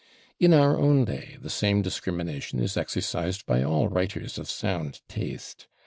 In our own day the same discrimination is exercised by all writers of sound taste.